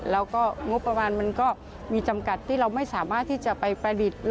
แล้วก็งบประมาณมันก็มีจำกัดที่เราไม่สามารถที่จะไปประดิษฐ์